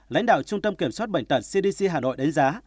lãnh đạo trung tâm kiểm soát bệnh tật cdc hà nội đánh giá